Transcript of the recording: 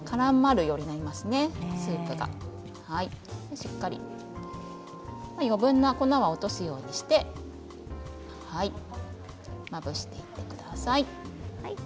しっかり余分な粉を落とすようにしてまぶしていってください。